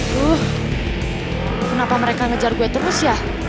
duh kenapa mereka ngejar gue terus ya